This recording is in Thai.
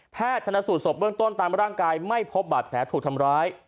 ชนะสูตรศพเบื้องต้นตามร่างกายไม่พบบาดแผลถูกทำร้าย